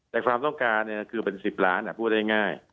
แต่ความต้องการเนี่ยคือเป็นสิบร้านอ่ะพูดได้ง่าย